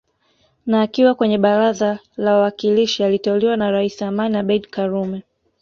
Na akiwa kwenye baraza la wawakilishi aliteuliwa na Rais Amani Abeid karume